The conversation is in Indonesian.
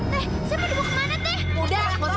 teh siapa dibawa kemana teh